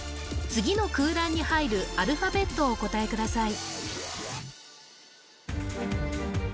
次の空欄に入るアルファベットをお答えください